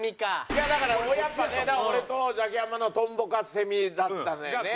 いやだからやっぱね俺とザキヤマのトンボかセミだったのよね。